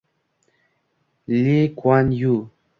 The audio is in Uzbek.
© Li Kuan Yu